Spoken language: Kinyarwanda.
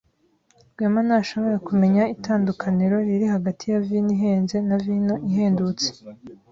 Rwema ntashobora kumenya itandukaniro riri hagati ya vino ihenze na vino ihendutse.